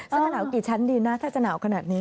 สักหนาวกี่ชั้นดีนะถ้าจะหนาวขนาดนี้